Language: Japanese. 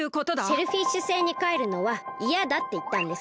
シェルフィッシュ星にかえるのはいやだっていったんです。